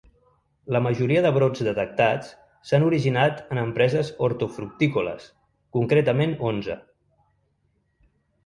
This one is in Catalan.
La majoria de brots detectats s’han originat en empreses hortofructícoles, concretament onze.